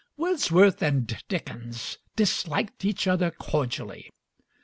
Wordsworth and Dickens disliked each other cordially.